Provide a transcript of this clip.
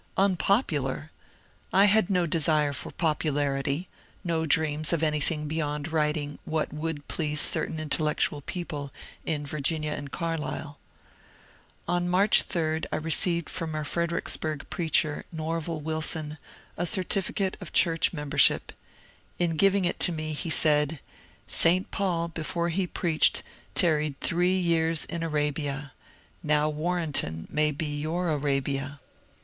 Unpopular I I had no desire for popularity, no dreams of anything beyond writing what would please certain intellectual people in Virginia and Carlisle. On March 3 I received from our Fredericksburg preacher. Nerval Wilson, a certificate of church membership: In giving it to me he said, ^^ St. Paul before he preached tarried three years in Arabia — now Warrenton may be your Arabia."